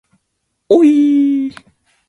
おいいい